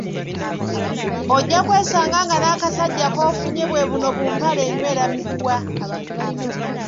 Ojja kwesanga nga n'akasajja kofunye bwe buno bu "mpale enywera muguwa".